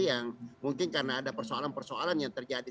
yang mungkin karena ada persoalan persoalan yang terjadi